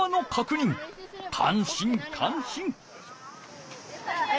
感心感心！